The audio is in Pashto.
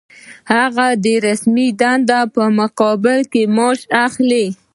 هغه د رسمي دندې په مقابل کې معاش اخلي.